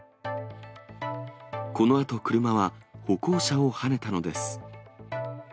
このあと車は、歩行者をはねたのです。